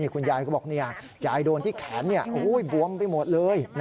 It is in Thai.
คุณยายก็บอกยายโดนที่แขนบวมไปหมดเลย